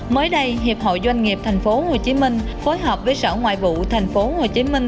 mới đây hiệp hội doanh nghiệp tp hcm phối hợp với sở ngoại vụ tp hcm